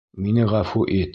Мине ғәфү ит.